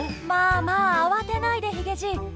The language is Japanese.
まあまあ慌てないでヒゲじい。